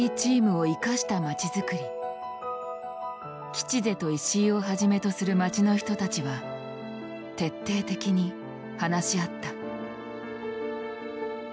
吉瀬と石井をはじめとする町の人たちは徹底的に話し合った。